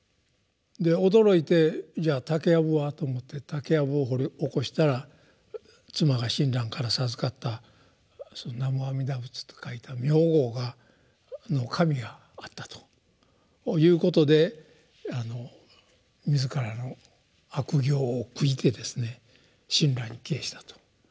で驚いてじゃあ竹やぶはと思って竹やぶを掘り起こしたら妻が親鸞から授かった「南無阿弥陀仏」と書いた名号の紙があったということで自らの悪行を悔いてですね親鸞に帰依したと。